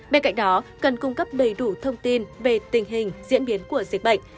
bên cạnh đó cần cung cấp đầy đủ thông tin về tình hình diễn biến của dịch bệnh